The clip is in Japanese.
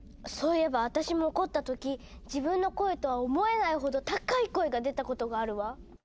そういえば私も怒った時自分の声とは思えないほど高い声が出たことがあるわ。